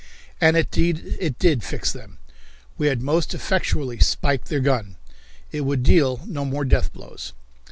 And indeed it did fix them. We had most effectually spiked their gun. It would deal no more death blows.